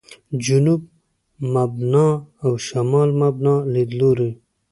«جنوب مبنا» او «شمال مبنا» لیدلوري.